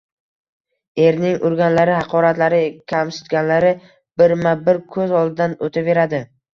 Erining urganlari, haqoratlari, kamsitganlari birma-bir ko`z oldidan o`taveradi